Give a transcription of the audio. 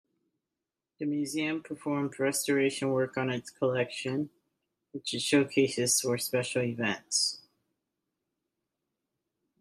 The museum performs restoration work on its collection, which it showcases for special events.